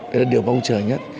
cái là điều mong chờ nhất